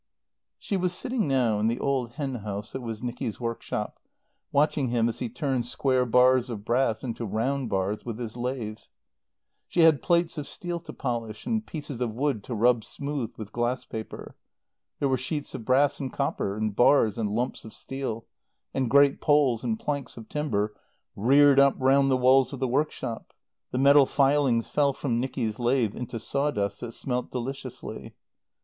She was sitting now in the old hen house that was Nicky's workshop, watching him as he turned square bars of brass into round bars with his lathe. She had plates of steel to polish, and pieces of wood to rub smooth with glass paper. There were sheets of brass and copper, and bars and lumps of steel, and great poles and planks of timber reared up round the walls of the workshop. The metal filings fell from Nicky's lathe into sawdust that smelt deliciously.